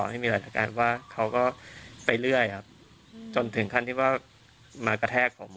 ให้มีหลายอาการว่าเขาก็ไปเรื่อยครับจนถึงขั้นที่ว่ามากระแทกผม